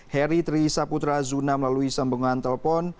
heri trisaputra zuna melalui sembangkan telpon